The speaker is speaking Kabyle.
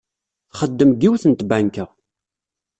Txeddem deg yiwet n tbanka.